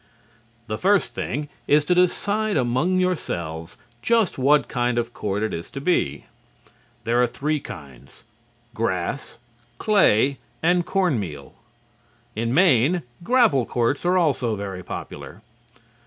The first thing is to decide among yourselves just what kind of court it is to be. There are three kinds: grass, clay, and corn meal. In Maine, gravel courts are also very popular.